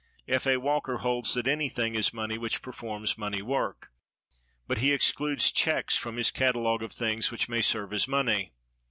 F. A. Walker holds that anything is money which performs money work; but he excludes checks from his catalogue of things which may serve as money.